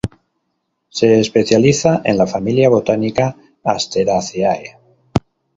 Se especializa en la familia botánica Asteraceae.